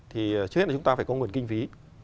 thì trước hết là chúng ta phải có nguồn kinh phí